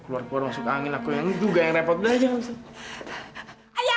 keluar keluar masuk angin aku yang duga yang repot belah aja maksudnya